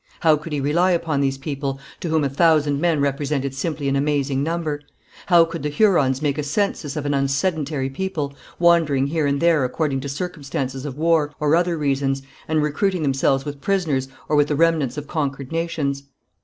How could he rely upon these people, to whom a thousand men represented simply an amazing number? How could the Hurons make a census of an unsedentary people, wandering here and there according to circumstances of war or other reasons, and recruiting themselves with prisoners or with the remnants of conquered nations?